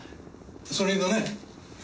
それがね